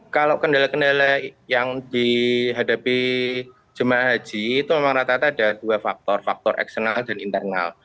kalau kendala kendala yang dihadapi jemaah haji itu memang rata rata ada dua faktor faktor eksternal dan internal